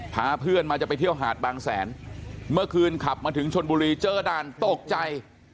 พาเพื่อนมาจะไปเที่ยวหาดบางแสนเมื่อคืนขับมาถึงชนบุรีเจอด่านตกใจ